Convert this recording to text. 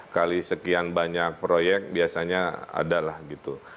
kali sekian banyak proyek biasanya adalah gitu